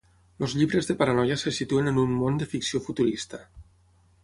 Els llibres de paranoia se situen en un món de ficció futurista.